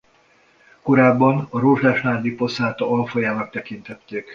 Korábban a rozsdás nádiposzáta alfajának tekintették.